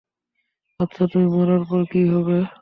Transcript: আচ্ছা, তুমি মরার পর কী হবে?